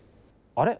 あれ？